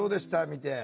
見て。